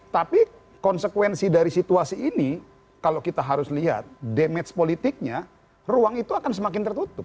tapi konsekuensi dari situasi ini kalau kita harus lihat damage politiknya ruang itu akan semakin tertutup